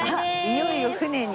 いよいよ船に。